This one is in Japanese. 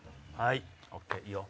ＯＫいいよ。